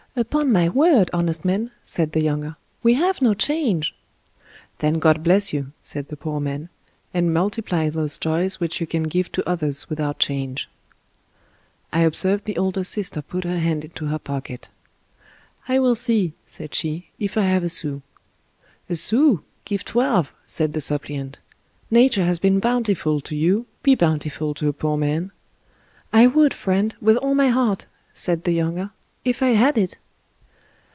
" Upon my word, honest man," said the younger, " we have no change." " Then God bless you," said the poor man, " and multiply 206 Laurence Sterne those joys which you can give to others without change." I observed the older sister put her hand into her pocket. " I will see," said she, " if I have a sous." " A sous ! Give twelve," said the suppliant. " Nature has been bountiful to you ; be bountiful to a poor man." " I would, friend, with all my heart," said the younger, " if I had it."